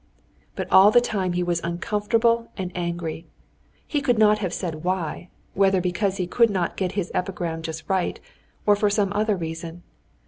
But all the time he was uncomfortable and angry, he could not have said why—whether because he could not get his epigram just right, or from some other reason.